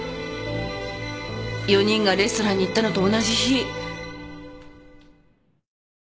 ４人がレストランに行ったのと同じ日。